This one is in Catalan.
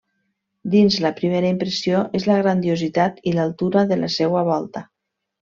Dins, la primera impressió és la grandiositat i l'altura de la seua volta.